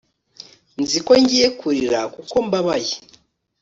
nzi ko ngiye kurira kuko mbabaye